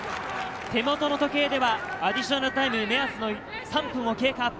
手元の時計ではアディショナルタイム目安の３分を経過。